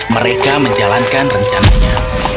mereka menjalankan rencananya